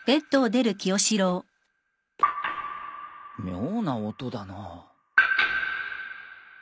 ・妙な音だな。